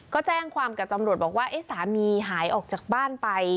ก็แจ้งความกับตำรวจบอกว่าสามีหายออกจากบ้านไป